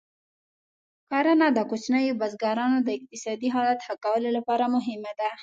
کرنه د کوچنیو بزګرانو د اقتصادي حالت ښه کولو لپاره مهمه ده.